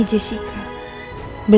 setelah saya library